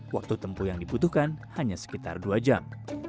waktu tempuh yang dibutuhkan hanya sekitar dua jam